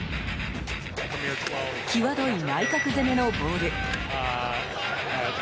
際どい内角攻めのボール。